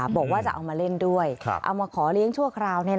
บอกว่าจะเอามาเล่นด้วยเอามาขอเลี้ยงชั่วคราว